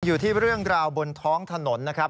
อยู่ที่เรื่องราวบนท้องถนนนะครับ